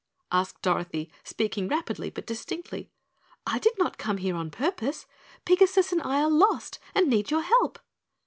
asked Dorothy, speaking rapidly but distinctly. "I did not come here on purpose. Pigasus and I are lost and need your help."